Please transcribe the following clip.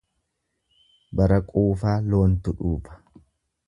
Bara quufaa loontu dhuufa.